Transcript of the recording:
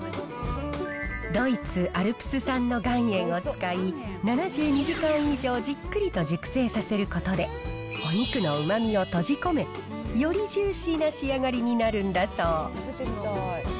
ドイツアルプス産の岩塩を使い、７２時間以上じっくりと熟成させることで、お肉のうまみを閉じ込め、よりジューシーな仕上がりになるんだそう。